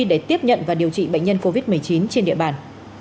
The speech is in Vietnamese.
để tiếp nhận và điều trị bệnh nhân covid một mươi chín trên địa bàn